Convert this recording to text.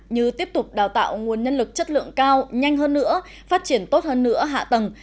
như tiếp tục đào tạo nguồn nhân lực chất lượng cao nhanh hơn nữa phát triển tốt hơn nữa hạ tầng